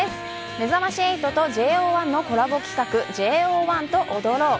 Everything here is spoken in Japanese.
めざまし８とＪＯ１のコラボ企画ＪＯ１と踊ろう！